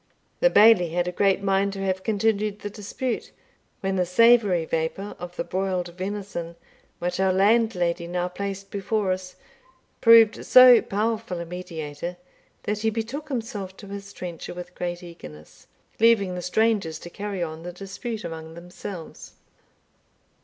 The Bailie had a great mind to have continued the dispute, when the savoury vapour of the broiled venison, which our landlady now placed before us, proved so powerful a mediator, that he betook himself to his trencher with great eagerness, leaving the strangers to carry on the dispute among themselves.